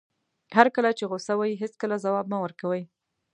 هر کله چې غوسه وئ هېڅکله ځواب مه ورکوئ.